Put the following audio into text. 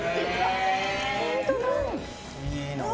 本当だ。